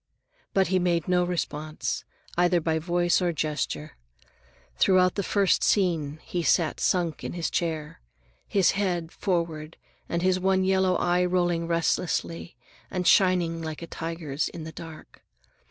But he made no response, either by voice or gesture. Throughout the first scene he sat sunk in his chair, his head forward and his one yellow eye rolling restlessly and shining like a tiger's in the dark.